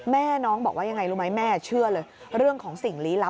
แม่น้องบอกว่ายังไงรู้ไหมแม่เชื่อเลยเรื่องของสิ่งลี้ลับ